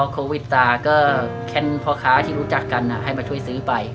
โควิดตาก็แค่พ่อค้าที่รู้จักกันให้มาช่วยซื้อไป